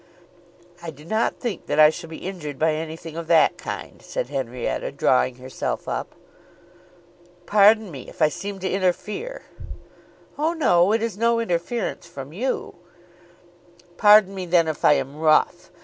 "I do not think that I shall be injured by anything of that kind," said Henrietta, drawing herself up. "Pardon me if I seem to interfere." "Oh, no; it is no interference from you." "Pardon me then if I am rough.